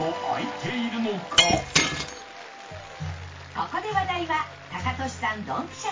ここで話題はタカトシさんドンピシャ